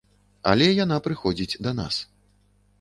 Але яна прыходзяць да нас.